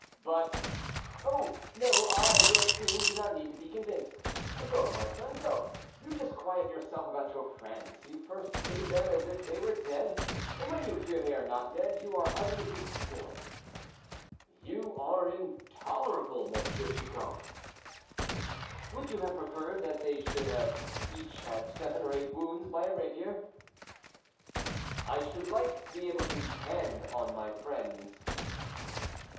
"But " "Oh! no; I, who have seen, do not need to be convinced. Go, my son, go. You disquiet yourself about your friends; you first pity them as if they were dead, and when you hear they are not dead, you are uneasy still " "You are intolerable, M. Chicot." "Would you have preferred that they should each have had seven or eight wounds by a rapier?" "I should like to be able to depend on my friends."